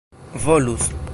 volus